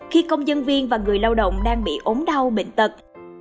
khi công dân viên và người lao động đang bị ốm đau bệnh tật